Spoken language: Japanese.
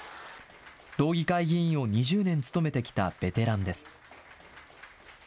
道議会議員を２０年務めてきたベテランです。